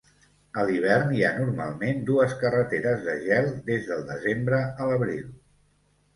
A l'hivern, hi ha normalment dues carreteres de gel des del desembre a l'abril.